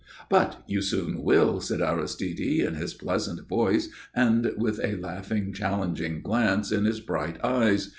"But you soon will," said Aristide, in his pleasant voice and with a laughing, challenging glance in his bright eyes.